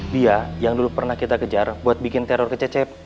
dia yang dulu pernah kita kejar buat bikin teror kececep